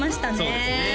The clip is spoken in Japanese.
そうですね